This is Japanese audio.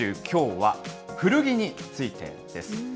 きょうは古着についてです。